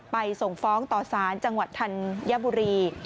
ส่งฟ้องต่อสารจังหวัดธัญบุรี